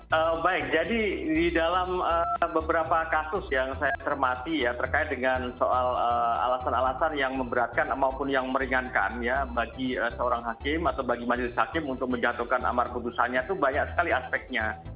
ya baik jadi di dalam beberapa kasus yang saya cermati ya terkait dengan soal alasan alasan yang memberatkan maupun yang meringankan ya bagi seorang hakim atau bagi majelis hakim untuk menjatuhkan amar putusannya itu banyak sekali aspeknya